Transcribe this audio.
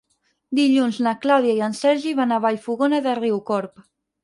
Dilluns na Clàudia i en Sergi van a Vallfogona de Riucorb.